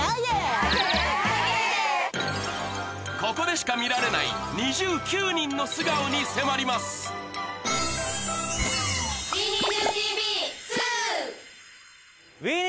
ここでしか見られないＮｉｚｉＵ９人の素顔に迫りますイェイ！